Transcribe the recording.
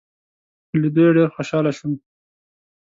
په لیدو یې ډېر خوشاله شوم.